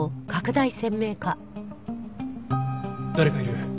誰かいる。